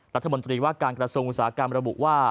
รัฐมนตรีว่าการกระทรวงอุตสาหกรรมระบุว่า